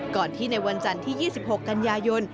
ก่อนที่ในวันจันทร์ที่๒๖กันยายน